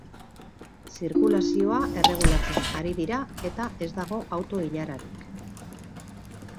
Zirkulazioa erregulatzen ari dira eta ez dago auto-ilararik.